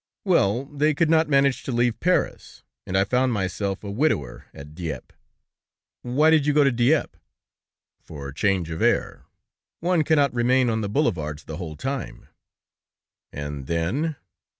"Well! they could not manage to leave Paris, and I found myself a widower at Dieppe." "Why did you go to Dieppe?" "For change of air. One cannot remain on the Boulevards the whole time." "And then?"